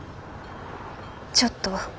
ちょっと。